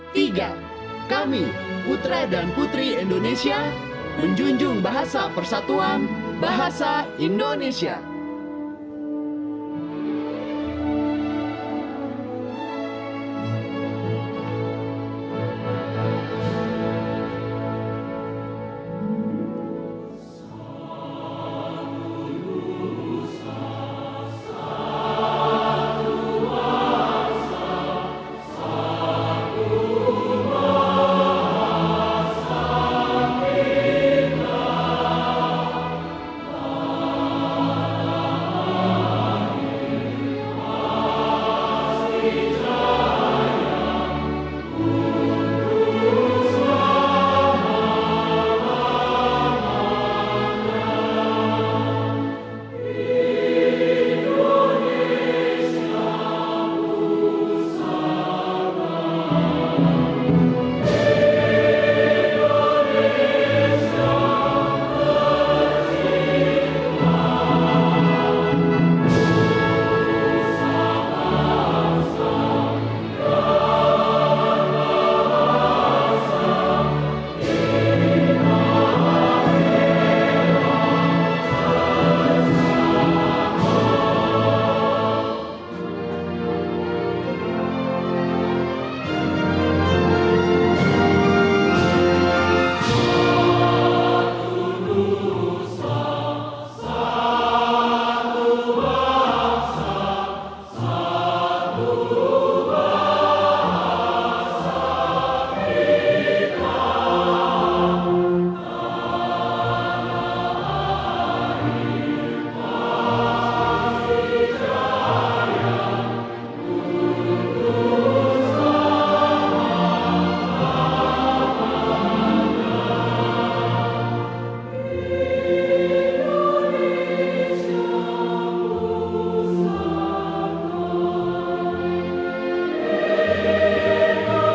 tiga kami putra dan putri indonesia menjunjung bahasa persatuan bahasa indonesia